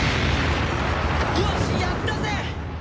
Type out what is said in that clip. よしやったぜ！